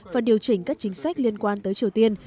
và điều chỉnh các chính sách liên quan tới triều tiên